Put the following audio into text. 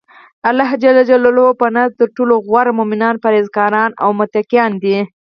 الله ج په نزد ترټولو غوره مؤمنان پرهیزګاران او متقیان دی.